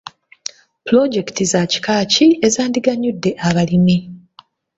Pulojekiti za kika ki ezandiganyudde abalimi?